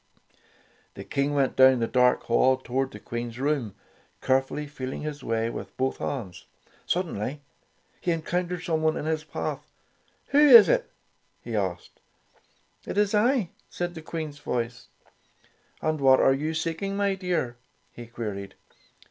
The King went down the dark hall toward the Queen's room, carefully feeling 36 Tales of Modem Germany his way with both hands. Suddenly he encountered someone in his path. "Who is it?'' he asked. "It is I," said the Queen's voice. "And what are you seeking, my dear?" he queried.